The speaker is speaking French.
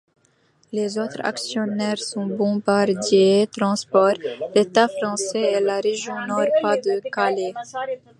Les autres actionnaires sont Bombardier Transport, l'État français et la région Nord-Pas-de-Calais.